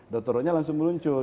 doktor rotanya langsung meluncur